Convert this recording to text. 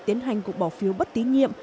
tiến hành cuộc bỏ phiếu bất tí nhiệm